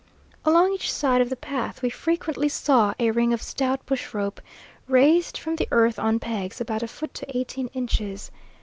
Along each side of the path we frequently saw a ring of stout bush rope, raised from the earth on pegs about a foot to eighteen inches.